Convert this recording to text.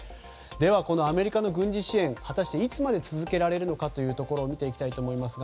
では、アメリカの軍事支援果たしていつまで続けられるのか見ていきたいと思います。